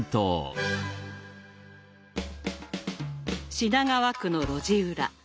品川区の路地裏。